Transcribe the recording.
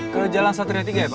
ke jalan satria tiga ya pak